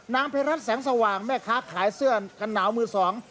ภัยรัฐแสงสว่างแม่ค้าขายเสื้อกันหนาวมือสอง